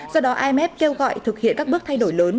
do đó imf kêu gọi thực hiện các bước thay đổi lớn